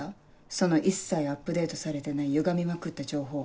その一切アップデートされてないゆがみまくった情報。